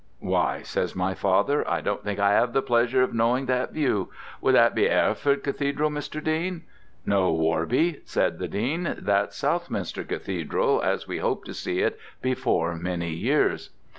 'Why', says my father, 'I don't think I 'ave the pleasure of knowing that view. Would that be Hereford Cathedral, Mr. Dean?' 'No, Worby,' says the Dean, 'that's Southminster Cathedral as we hope to see it before many years.'